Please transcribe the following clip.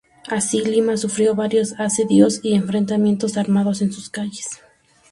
Así, Lima sufrió varios asedios y enfrentamientos armados en sus calles.